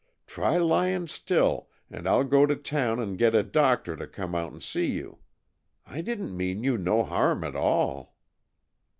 Try lying still, and I'll go right to town and get a doctor to come out and see you. I didn't mean you no harm at all."